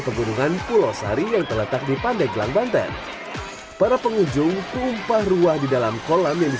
penggunungan pulau sari yang terletak di pandeglang banten para pengunjung kumpah ruah di dalam kota ketepas